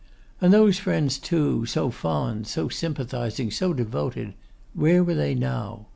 And those friends too, so fond, so sympathising, so devoted, where were they now?